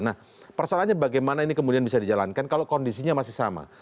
nah persoalannya bagaimana ini kemudian bisa dijalankan kalau kondisinya masih sama